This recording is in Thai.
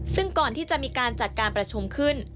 ซึ่งก่อนที่จะมีการจัดการประชุมขึ้น